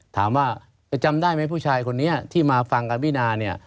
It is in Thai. ถามว่าไปจำได้ไหมผู้ชายคนนี้ที่มาฟังกับพี่นาเนี่ย